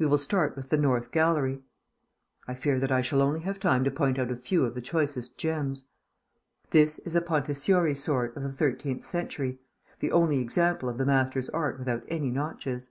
We will start with the North Gallery; I fear that I shall only have time to point out a few of the choicest gems. This is a Pontesiori sword of the thirteenth century the only example of the master's art without any notches.